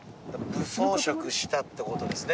武装色したってことですね